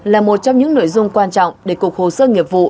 là một trong những nội dung quan trọng để cục hồ sơ nghiệp vụ